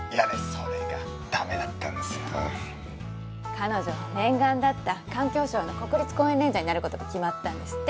彼女念願だった環境省の国立公園レンジャーになることが決まったんですって。